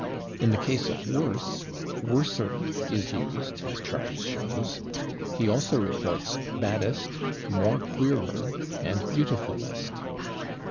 In the case of /worse/, /worser/ is used, as Charters shows. He also reports /baddest/, /more queerer/ and /beautifulest